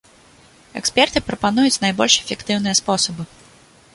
Эксперты прапануюць найбольш эфектыўныя спосабы.